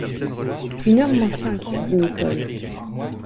Une heure moins cinq minutes, dit Nicholl.